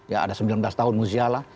ya ada sembilan belas tahun muziala